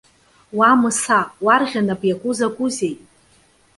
Уа Мыса! Уарӷьа напы иаку закәызеи?